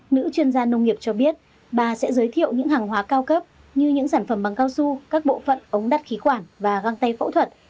nữ chuyên gia nông nghiệp cho biết bà sẽ giới thiệu những hàng hóa cao cấp như những sản phẩm bằng cao su các bộ phận ống đắt khí quản và găng tay phẫu thuật